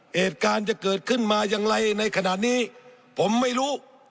เหตุการณ์จะเกิดขึ้นมาอย่างไรในขณะนี้ผมไม่รู้